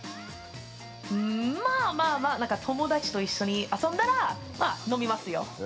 まあまあ友達と一緒に遊んだら飲みますよ。